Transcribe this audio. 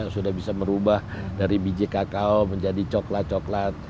sudah bisa merubah dari biji kakao menjadi coklat coklat